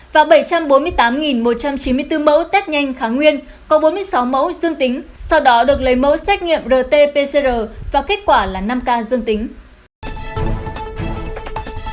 và bảy trăm bốn mươi tám một trăm chín mươi bốn mẫu test nhanh kháng nguyên có bốn mươi sáu mẫu dương tính sau đó được lấy mẫu xét nghiệm rt pcr và kết quả là năm ca dương tính